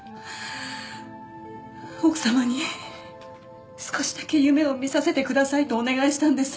奥様に少しだけ夢を見させてくださいとお願いしたんです。